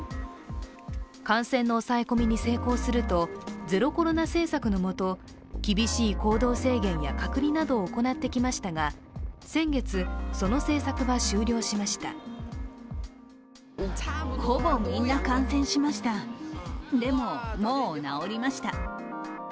感染の抑え込みに成功するとゼロコロナ政策のもと厳しい行動制限や隔離などを行ってきましたが先月、その政策は終了しました。